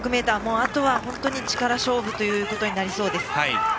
あとは本当に力勝負ということになりそうです。